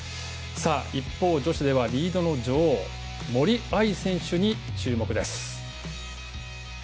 一方、女子ではリードの女王森秋彩選手に注目です。